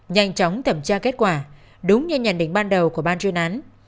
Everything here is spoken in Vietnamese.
nhanh chóng thẩm tra kết quả đúng như nhận định ban đầu của ban chuyên án